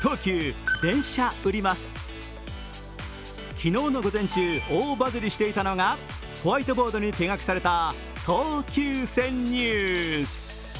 昨日の午前中、大バズりしていたのがホワイトボードに手書きされていた東急線ニュース。